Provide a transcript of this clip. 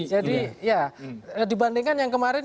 jadi dibandingkan yang kemarin